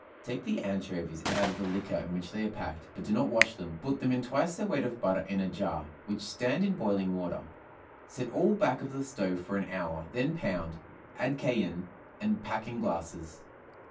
Take the anchovies out of the liquor in which they are packed, but do not wash them, put them in twice their weight of butter in a jar, which stand in boiling water; set all back of the stove for an hour, then pound, add cayenne, and pack in glasses.